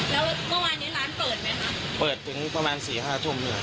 แล้วเมื่อวานนี้ร้านเปิดไหมคะเปิดถึงประมาณสี่ห้าทุ่มเนี่ย